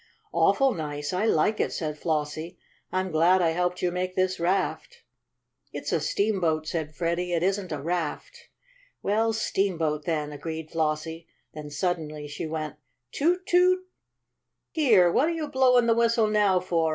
"Awful nice I like it," said Flossie. "I'm glad I helped you make this raft." "It's a steamboat," said Freddie. "It isn't a raft." "Well, steamboat, then," agreed Flossie. Then she suddenly went: "Toot! Toot!" "Here! what you blowin' the whistle now for?"